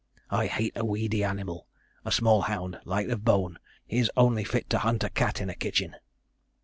I hate a weedy animal; a small hound, light of bone, is only fit to hunt a kat in a kitchen.